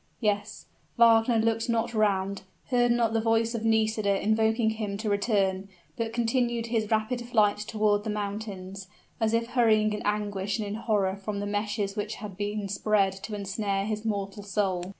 Yes; Wagner looked not round; heard not the voice of Nisida invoking him to return, but continued his rapid flight toward the mountains, as if hurrying in anguish and in horror from the meshes which had been spread to ensnare his mortal soul.